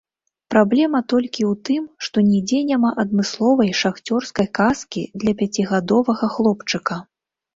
Праблема толькі ў тым, што нідзе няма адмысловай шахцёрскай каскі для пяцігадовага хлопчыка.